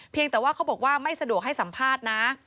เขาบอกว่าเขาบอกว่าไม่สะดวกให้สัมภาษณ์นะ